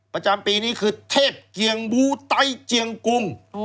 ประจำปีนี้คือเทพเกียงบูไตเจียงกุม